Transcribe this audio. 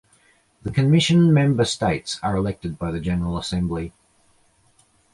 The Commission member States are elected by the General Assembly.